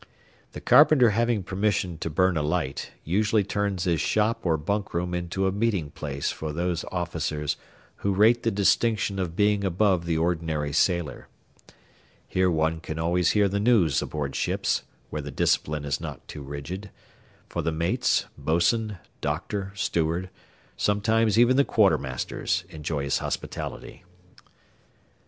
The carpenter having permission to burn a light, usually turns his shop or bunk room into a meeting place for those officers who rate the distinction of being above the ordinary sailor. Here one can always hear the news aboard ships where the discipline is not too rigid; for the mates, bos'n, "doctor," steward, and sometimes even the quartermasters, enjoy his hospitality.